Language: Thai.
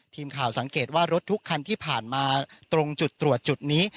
ทีมข่าวสังเกตว่ารถทุกคันที่ผ่านมาตรงจุดตรวจจุดนี้